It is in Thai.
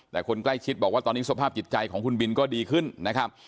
แต่คนใกล้ชิดบอกว่าตอนนี้สภาพจิตใจของคุณบินก็ดีขึ้นนะครับ